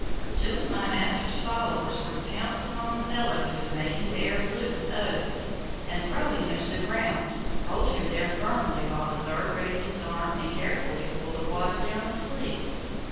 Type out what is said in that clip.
Two of my master's followers would pounce upon the fellow who was making the air blue with oaths, and, throwing him to the ground, hold him there firmly while the third raised his arm and carefully poured the water down the sleeve.